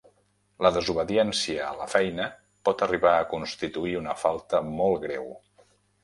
La desobediència a la feina pot arribar a constituir una falta molt greu.